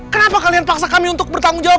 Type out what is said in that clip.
kenapa kalian paksa kami untuk bertanggung jawab